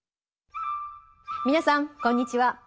皆さんこんにちは。